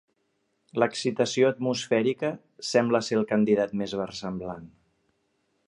L'excitació atmosfèrica sembla ser el candidat més versemblant.